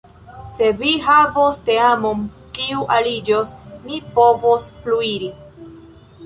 Se vi havos teamon kiu aliĝos, ni povos pluiri.